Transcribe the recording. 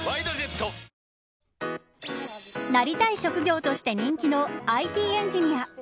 なりたい職業として人気のＩＴエンジニア。